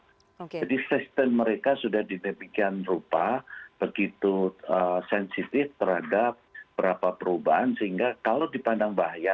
jadi sistem mereka sudah ditebikkan rupa begitu sensitif terhadap berapa perubahan sehingga kalau dipandang bahaya